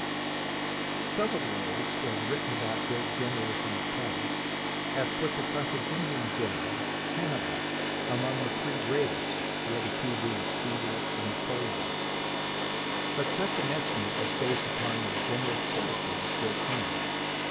SOME of those who have written about great generals in the past have put the Cartha ginian general, Hannibal, among the three greatest, the other two being Cassar and Napoleon. But such an estimate is based upon their general character as great men.